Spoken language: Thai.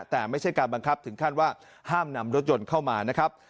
แต่ไม่ใช่การบังคับถึงขั้นว่าห้ามนำรถยนต์เข้ามานะครับ